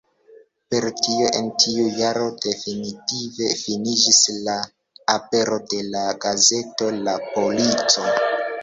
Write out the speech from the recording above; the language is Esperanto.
Per tio en tiu jaro definitive finiĝis la apero de la gazeto "La Polico".